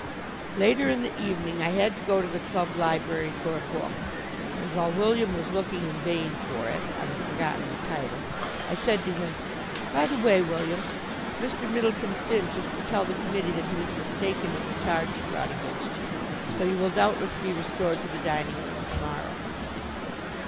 Later in the evening I had to go to the club library for a book, and while William was looking in vain for it (I had forgotten the title) I said to him: "By the way, William, Mr. Myddleton Finch is to tell the committee that he was mistaken in the charge he brought against you, so you will doubtless be restored to the dining room to morrow."